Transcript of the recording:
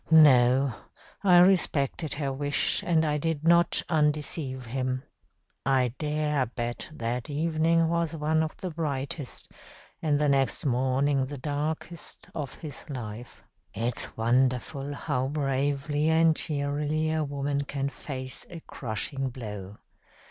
No, I respected her wish and I did not undeceive him. I dare bet that evening was one of the brightest, and the next morning the darkest, of his life. "It's wonderful how bravely and cheerily a woman can face a crushing blow.